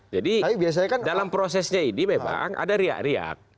jadi dalam prosesnya ini memang ada riak riak